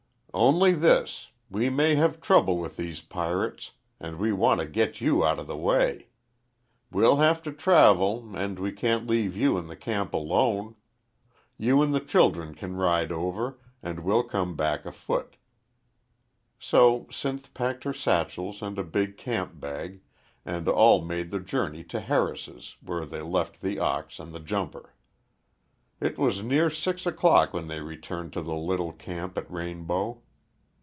"Only this we may have trouble with these pirates, and we want to get you out of the way. We'll have to travel, and we can't leave you in the camp alone. You and the children can ride over, and we'll come back afoot." So Sinth packed her satchels and a big camp bag, and all made the journey to Harris's where they left the ox and the jumper. It was near six o'clock when they returned to the little camp at Rainbow.